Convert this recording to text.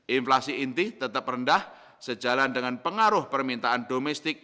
inflasi inti tetap rendah sejalan dengan pengaruh permintaan domestik